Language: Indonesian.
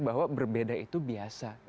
bahwa berbeda itu biasa